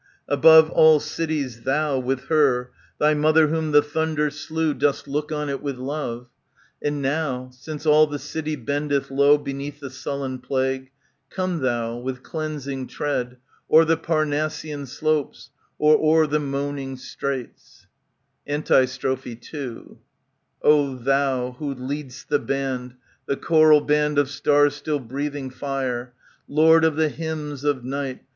180 ANTIGONE Dost look on it with love ; And now, since all the city bendeth low Beneath the sullen plague, *'*^ Come Thou with cleansing tread O'er the Parnassian slopes, Or o'er the moaning straits.^ Antistrophe II O Thou, who lead'st the band, The choral band of stars still breathing fire,' Lord of the hymns of night.